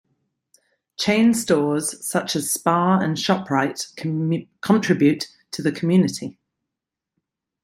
Chain stores such as Spar and Shoprite contribute to the community.